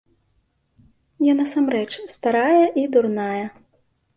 Я насамрэч старая і дурная.